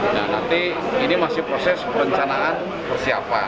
nah nanti ini masih proses perencanaan persiapan